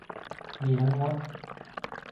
มีทั้งมด